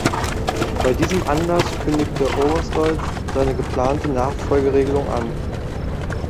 Bei diesem Anlass kündigte Overstolz seine geplante Nachfolgeregelung an.